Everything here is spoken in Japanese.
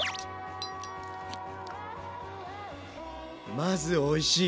まずおいしい。